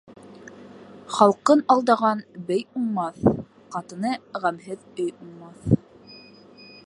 Халҡын алдаған бей уңмаҫ, ҡатыны ғәмһеҙ өй уңмаҫ.